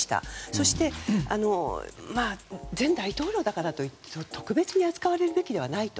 そして、前大統領だからといって特別に扱われるべきではないと。